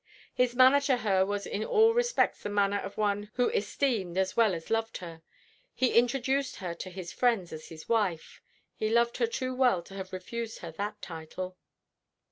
His manner to her was in all respects the manner of one who esteemed as well as loved her. He introduced her to his friends as his wife. He loved her too well to have refused her that title."